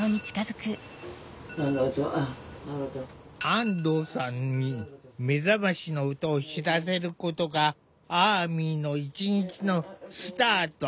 安藤さんに目覚ましの音を知らせることがアーミの一日のスタート。